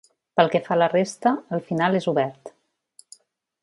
Pel que fa a la resta, el final és obert.